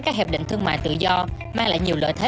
các hiệp định thương mại tự do mang lại nhiều lợi thế